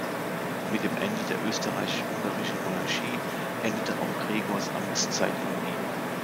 Mit dem Ende der österreichisch-ungarischen Monarchie endete auch Gregors Amtszeit in Wien.